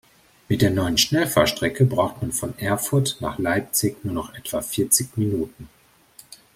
Mit der neuen Schnellfahrstrecke braucht man von Erfurt nach Leipzig nur noch etwa vierzig Minuten